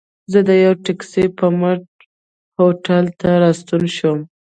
زه د یوه ټکسي پر مټ هوټل ته راستون شوم.